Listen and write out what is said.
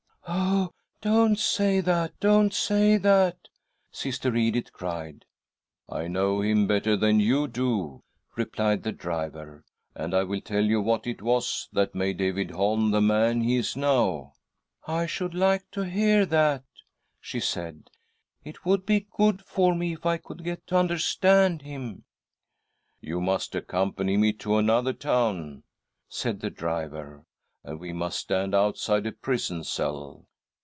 " Oh, don't say that, don't say that !" Sister Edith cried. " I know him better than you do," replied the driver, *' and I will tell you what it was that made David Holm the man he is now." *' I should like to hear that," she said ;" it would be good for me if I could get to understand him." ' You must accompany me to another town," said the driver, "and we must stand outside a prison cell.